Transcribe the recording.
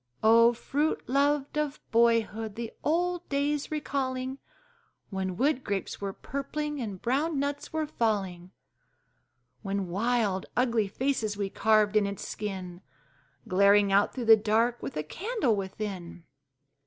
Oh, fruit loved of boyhood! the old days recalling, When wood grapes were purpling and brown nuts were falling! When wild, ugly faces we carved in its skin, Glaring out through the dark with a candle within!